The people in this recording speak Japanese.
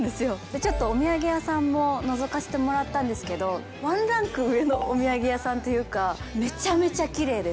ちょっとお土産屋さんものぞかせてもらったんですけどワンランク上のお土産屋さんというかめちゃめちゃきれいです。